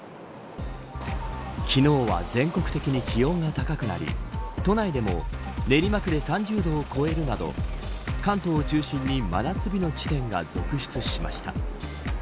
昨日は全国的に気温が高くなり都内でも練馬区で３０度を超えるなど関東を中心に真夏日の地点が続出しました。